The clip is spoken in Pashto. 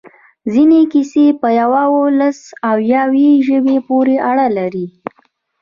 ځینې کیسې په یوه ولس یا یوې ژبې پورې اړه لري.